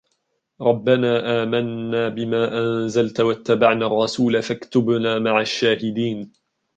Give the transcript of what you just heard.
رَبَّنَا آمَنَّا بِمَا أَنْزَلْتَ وَاتَّبَعْنَا الرَّسُولَ فَاكْتُبْنَا مَعَ الشَّاهِدِينَ